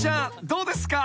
どうですか？］